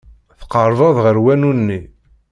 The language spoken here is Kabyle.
Tqerrbeḍ ɣer wanu-nni.